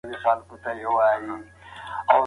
تخصصي کار تر عادي کار ګټور دی.